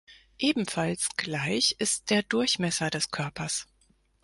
Ebenfalls gleich ist der Durchmesser des Körpers.